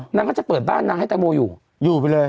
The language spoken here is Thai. นางก็จะเปิดบ้านนางให้แตงโมอยู่อยู่ไปเลย